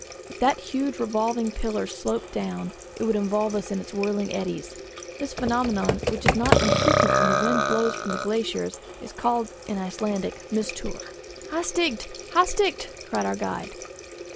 If that huge revolving pillar sloped down, it would involve us in its whirling eddies. This phenomenon, which is not unfrequent when the wind blows from the glaciers, is called in Icelandic 'mistour.' "Hastigt! hastigt!" cried our guide.